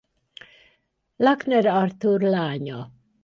Lakner Artúr lánya.